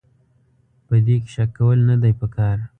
په دې کې شک کول نه دي پکار.